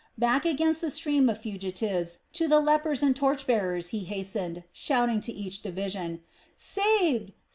Back against the stream of fugitives to the lepers and torch bearers he hastened, shouting to each division, "Saved!